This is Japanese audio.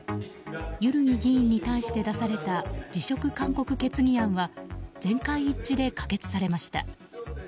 万木議員に対して出された辞職勧告決議案は全会一致で可決されました。